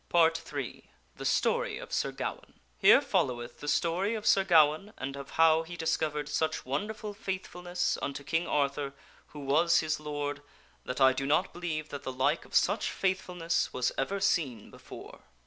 PART III The Story of Sir Gawaine TJERE followeth the story of Sir Gawaine and of how he discovered such wonderful faithfulness unto King Arthur, who was his lord, that I do not believe that the like of such faithfulness was ever seen before.